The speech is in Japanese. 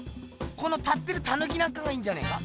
この立ってるタヌキなんかがいいんじゃねえか。